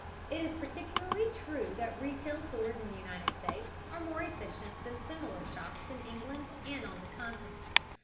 It is particularly true that retail stores in the United States are more efficient than similar shops in England and on the Continent.